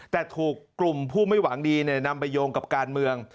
แต่ถูกกลุ่มผู้ไม่หวังดีนำไปโยงกับการเมือง